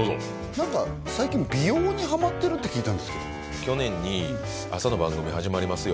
何か最近美容にハマってるって聞いたんですけど去年に朝の番組始まります